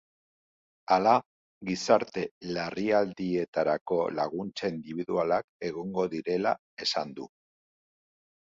Hala, gizarte-larrialdietarako laguntza indibidualak egongo direla esan du.